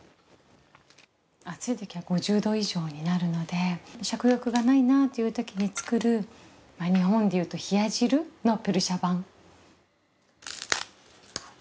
暑いときは５０度以上になるので食欲がないなっていうときに作る日本でいうと冷や汁のペルシャ版。